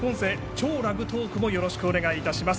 「＃超ラグトーク」もよろしくお願いします。